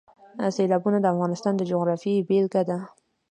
سیلابونه د افغانستان د جغرافیې بېلګه ده.